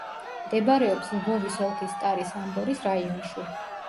მდებარეობს ლვოვის ოლქის სტარი-სამბორის რაიონში.